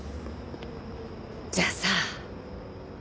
じゃあさ。